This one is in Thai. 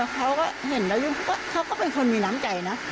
เขาก็เห็นแล้วยุ่งเขาก็เป็นคนมีน้ำใจนะ